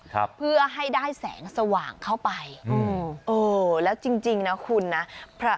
ครับเพื่อให้ได้แสงสว่างเข้าไปอืมเออแล้วจริงจริงนะคุณนะพระ